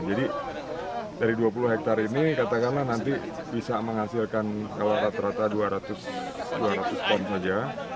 jadi dari dua puluh hektare ini katakanlah nanti bisa menghasilkan kalau rata rata dua ratus ton saja